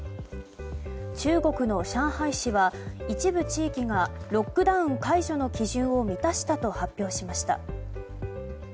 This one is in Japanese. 中国の上海市は一部地域がロックダウン解除の基準を満たしたと発表しました。